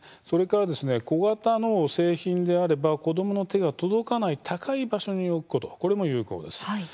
それから小型の製品であれば子どもの手が届かない高い場所に置くことこれも有効です。